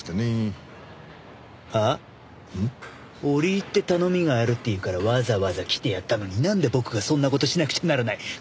折り入って頼みがあるっていうからわざわざ来てやったのになんで僕がそんな事しなくちゃならない。